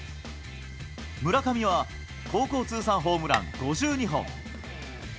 村上は高校通算ホームラン５２本。